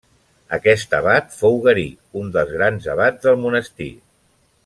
Aquest abat fou Garí, un dels grans abats del monestir.